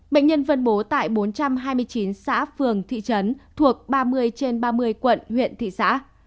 bệnh nhân phân bố tại bốn trăm hai mươi chín xã phường thị trấn thuộc ba mươi trên ba mươi quận huyện thị xã